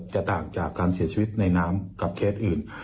ต่างจากการเสียชีวิตในน้ำกับเคสอื่น